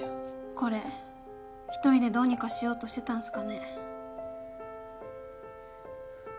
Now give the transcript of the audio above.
これ１人でどうにかしようとしてたんすかね。